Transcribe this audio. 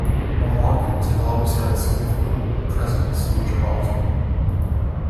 Moroccans have always had a significant presence in Gibraltar.